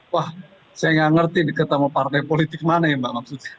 wah saya nggak ngerti ketemu partai politik mana ya mbak maksudnya